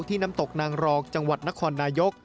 น้ำตกนางรองจังหวัดนครนายก